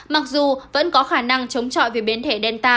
mặc dù vẫn có khả năng chống chọi về biến thể delta